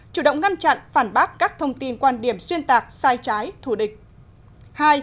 chủ động ngăn chặn phản bác các thông tin quan điểm xuyên tạc sai trái thù địch